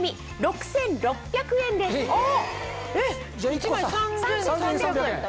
１枚３３００円。